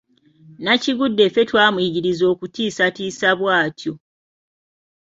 Nnakigudde ffe twamuyigiriza okutiisatiisa bw’atyo.